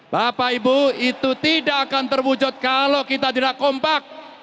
bapak ibu itu tidak akan terwujud kalau kita tidak kompak